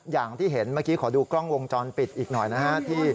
อย่างที่เห็นเมื่อกี้ขอดูกล้องวงจรปิดอีกหน่อยนะฮะ